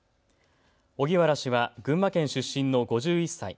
荻原氏は群馬県出身の５１歳。